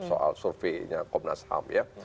soal surveinya komnas ham ya